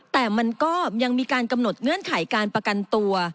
แต่มันก็ยังมีการกำหนดเงื่อนไขการประกันตัว